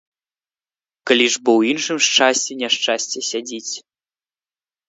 Калі ж бо ў іншым шчасці няшчасце сядзіць.